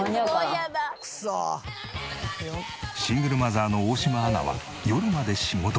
シングルマザーの大島アナは夜まで仕事。